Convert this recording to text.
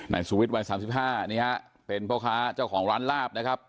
นายสือวิชวัยสามสิบห้านี่ฮะเป็นพ่อการเจ้าของร้านลาบนะครับ